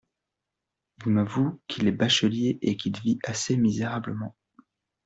Il m'avoue qu'il est bachelier et qu'il vit assez misérablement.